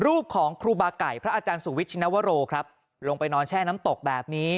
รูปของครูบาไก่พระอาจารย์สุวิทชินวโรครับลงไปนอนแช่น้ำตกแบบนี้